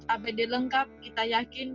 abd lengkap kita yakin